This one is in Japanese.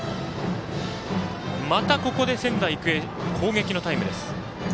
また、仙台育英攻撃のタイムです。